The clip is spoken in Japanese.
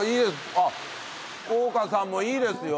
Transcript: あっ福岡さんもいいですよ。